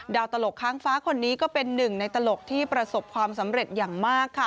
ตลกค้างฟ้าคนนี้ก็เป็นหนึ่งในตลกที่ประสบความสำเร็จอย่างมากค่ะ